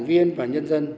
đảng viên và nhân dân